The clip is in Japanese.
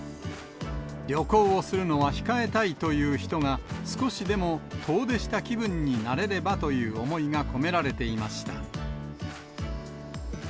旅行をするのは控えたいという人が少しでも遠出した気分になれればという思いが込められていました。